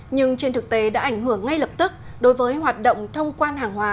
nhưng trên thực tế đã ảnh hưởng ngay lập tức đối với hoạt động thông quan hàng hóa